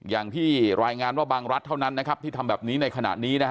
อย่างที่รายงานว่าบางรัฐเท่านั้นนะครับที่ทำแบบนี้ในขณะนี้นะฮะ